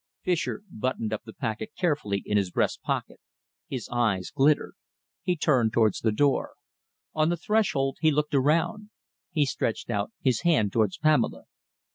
Fischer buttoned up the packet carefully in his breast pocket. His eyes glittered. He turned towards the door. On the threshold he looked around. He stretched out his hand towards Pamela.